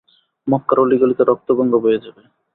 মক্কার অলি-গলিতে রক্তগঙ্গা বয়ে যাবে।